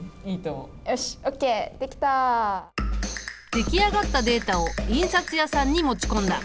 出来上がったデータを印刷屋さんに持ち込んだ。